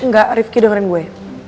nggak rifki dengerin gue